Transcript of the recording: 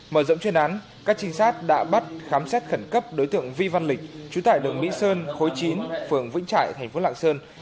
mở rộng chuyên án các trinh sát đã bắt khám xét khẩn cấp đối tượng vi văn lịch trú tại đường mỹ sơn khối chín phường vĩnh trại thành phố lạng sơn